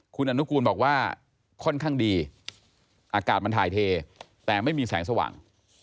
คุณอนุกูลบอกว่าค่อนข้างดีอากาศมันถ่ายเทแต่ไม่มีแสงสว่าง